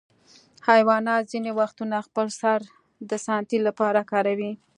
حیوانات ځینې وختونه خپل سر د ساتنې لپاره کاروي.